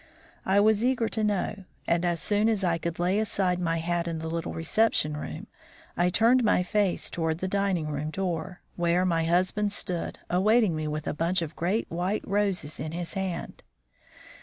I was eager to know, and as soon as I could lay aside my hat in the little reception room, I turned my face towards the dining room door, where my husband stood awaiting me with a bunch of great white roses in his hand.